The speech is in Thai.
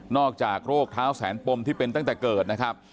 อกจากโรคเท้าแสนปมที่เป็นตั้งแต่เกิดนะครับ